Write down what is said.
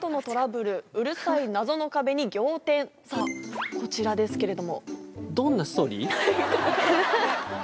さぁこちらですけれども。